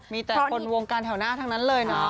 มีแต่คนวงการแถวหน้าทั้งนั้นเลยนะ